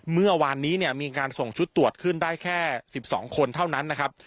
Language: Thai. เมื่อวานนี้เนี่ยมีการส่งชุดตรวจขึ้นได้แค่๑๒คนเท่านั้นนะครับ